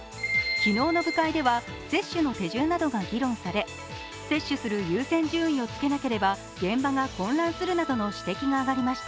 昨日の部会では接種の手順などが議論され接種する優先順位をつけなければ、現場が混乱するなどの指摘がありました。